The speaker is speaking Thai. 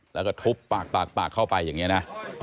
แล้วก็ทุบปากปากเข้าไปอย่างนี้นะ